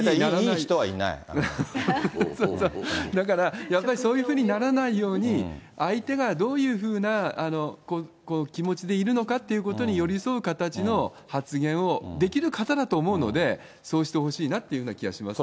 そうそうそう、だから、やっぱりそういうふうにならないように、相手がどういうふうな気持ちでいるのかっていうことに寄り添う形の発言を、できる方だと思うので、そうしてほしいなっていうような気はしますね。